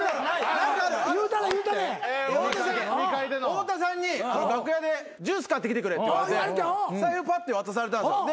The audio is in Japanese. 太田さんに楽屋でジュース買ってきてくれって言われて財布パッて渡されたんですよ。